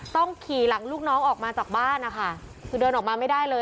ต้องขี่หลังลูกน้องออกมาจากบ้านนะคะคือเดินออกมาไม่ได้เลย